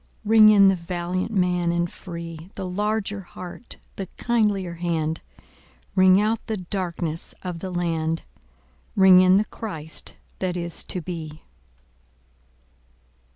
Ring in the valiant man and free, The larger heart, the kindlier hand; Ring out the darkenss of the land, Ring in the Christ that is to be.